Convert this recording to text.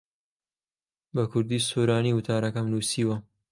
بە کوردیی سۆرانی وتارەکەم نووسیوە.